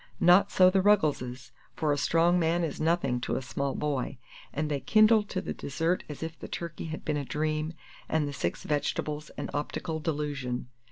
Not so the Ruggleses for a strong man is nothing to a small boy and they kindled to the dessert as if the turkey had been a dream and the six vegetables an optical delusion.